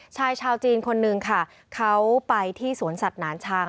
ชายชาวจีนคนนึงค่ะเขาไปที่สวนสัตว์หนานช้าง